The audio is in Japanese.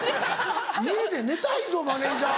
家で寝たいぞマネジャー。